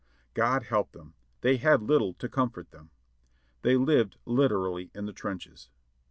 God help them! they had little to comfort them. They lived literally in the trenches.